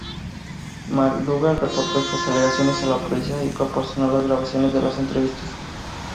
McDougal reportó estas alegaciones a la policía y proporcionó las grabaciones de las entrevistas.